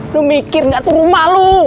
lu mikir gak tuh rumah lu